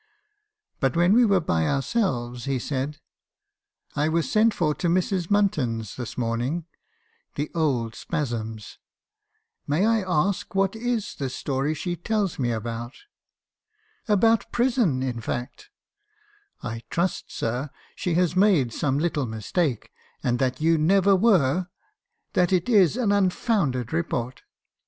But when we were by ourselves, he said, " *I was sent for to Mrs. Munton's this morning — the old spasms. May I ask what is this story she tells me about, — Lizzie Leigh, 18 274 me. haeeison's confessions. about prison, in fact? I trust, sir, she has made some little mistake, and that you never were —; that it is an unfounded report.'